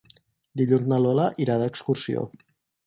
Dilluns na Lola irà d'excursió.